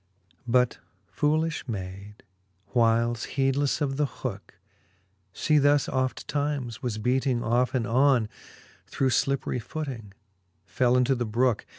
XLIII. But foolilh mayd, whiles, heedlefle of the hooke, She thus oft times was beating off and on, Through llipperie footing, fell into the brooke.